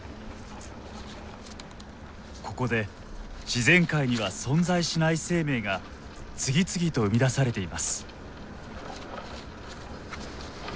ここで自然界には存在しない生命が次々と生み出されています。